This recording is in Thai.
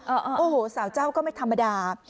โอ้โหสาวเจ้าก็ไม่ธรรมดา